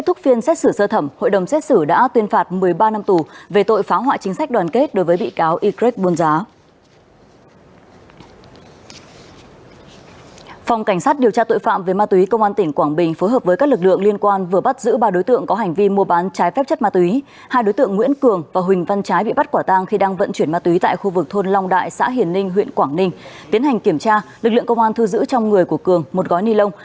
tiến hành kiểm tra lực lượng công an thu giữ trong người của cường một gói ni lông